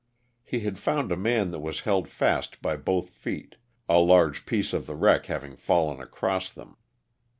He had found a man that was held fast by both feet, a large piece of the wreck having fallen across them.